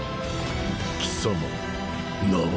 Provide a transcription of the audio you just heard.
貴様名は？